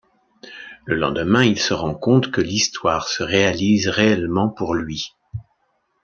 Le lendemain, il se rend compte que l'histoire se réalise réellement pour lui.